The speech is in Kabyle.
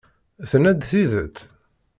Tenna-d tidet?